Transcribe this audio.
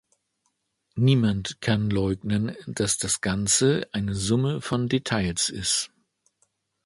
Niemand kann leugnen, dass das Ganze eine Summe von Details ist.